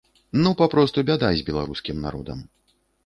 Ну папросту бяда з беларускім народам.